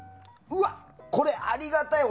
うわ、これありがたい。